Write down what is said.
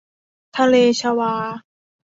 ทะเลชวา